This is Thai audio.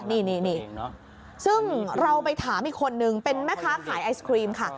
นี่ซึ่งเราไปถามอีกคนนึงเป็นแม่ค้าขายไอศครีมค่ะ